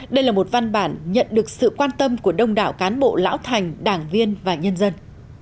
đây là một văn bản nhận được sự quan tâm của đông đảo cán bộ lão thành đảng viên và nhân dân